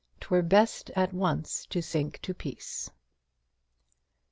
"'TWERE BEST AT ONCE TO SINK TO PEACE."